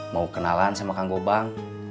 mau kenalan sama kang gobang